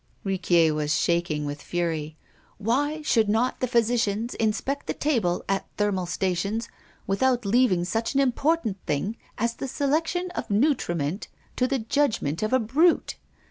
Riquier was shaking with fury: "Why should not the physicians inspect the table at thermal stations without leaving such an important thing as the selection of nutriment to the judgment of a brute?